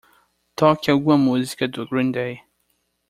Toque alguma música do Green Day.